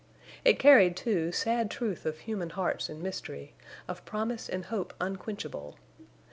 It carried, too, sad truth of human hearts and mystery—of promise and hope unquenchable.